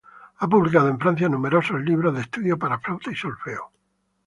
Ha publicado en Francia numerosos libros de estudio para flauta y solfeo.